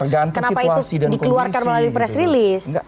kenapa itu dikeluarkan melalui press release